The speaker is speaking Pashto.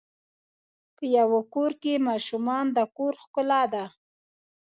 په یوه کور کې ماشومان د کور ښکلا ده.